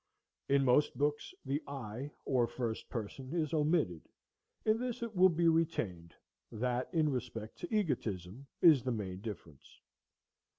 In most books, the I, or first person, is omitted; in this it will be retained; that, in respect to egotism, is the main difference.